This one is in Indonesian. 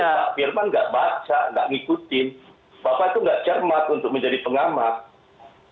nah firman nggak baca nggak ngikutin bapak itu nggak cermat untuk menjadi pengamat